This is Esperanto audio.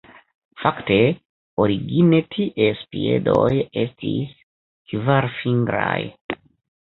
Fakte, origine ties piedoj estis kvarfingraj.